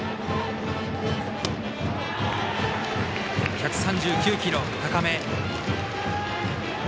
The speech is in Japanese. １３９キロ、高め。